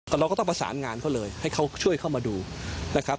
เราก็ต้องประสานงานเขาเลยให้เขาช่วยเข้ามาดูนะครับ